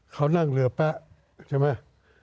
เขานั่งเรือแป๊ะใช่ไหม